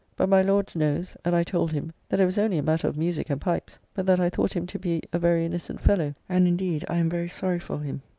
But my Lord knows, and I told him, that it was only in matter of musique and pipes, but that I thought him to be a very innocent fellow; and indeed I am very sorry for him.